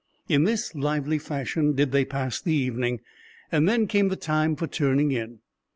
In this lively fashion did they pass the evening, and then came the time for turning in.